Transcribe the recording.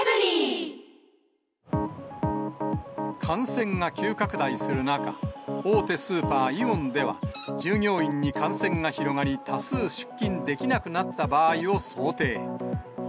感染が急拡大する中、大手スーパー、イオンでは、従業員に感染が広がり、多数出勤できなくなった場合を想定。